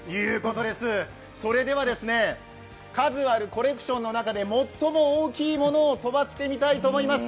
それでは数あるコレクションの中で最も大きいものを飛ばしてみたいと思います。